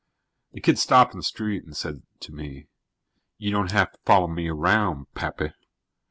The kid stopped in the street and said to me: "You don't have to follow me around, Pappy."